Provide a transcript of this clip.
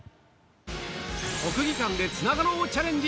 国技館でつながろうチャレンジ。